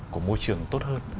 của môi trường tốt hơn